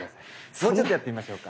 もうちょっとやってみましょうか。